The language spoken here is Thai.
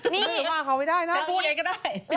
นี่ว่าเขาไม่ได้นะดูเด็กก็ได้